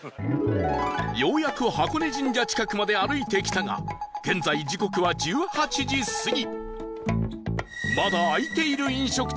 ようやく箱根神社近くまで歩いてきたが現在時刻は１８時過ぎ